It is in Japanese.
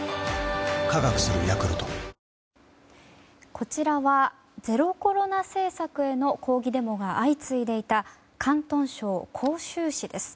こちらはゼロコロナ政策への抗議デモが相次いでいた広東省広州市です。